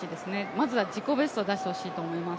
まずは自己ベストを出してほしいと思います。